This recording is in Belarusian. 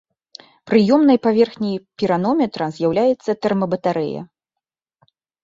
Прыёмнай паверхняй піранометра з'яўляецца тэрмабатарэя.